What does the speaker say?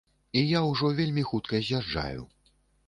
І я ўжо вельмі хутка з'язджаю.